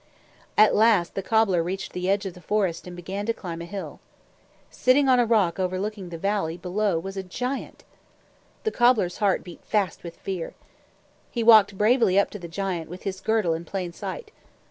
At last the cobbler reached the edge of the forest and began to climb a hill. Sitting on a rock overlooking the valley below was a giant. The cobbler's heart beat fast with fear. He walked bravely up to the giant, with his girdle in plain sight.